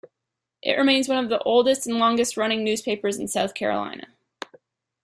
It remains one of the oldest and longest-running newspapers in South Carolina.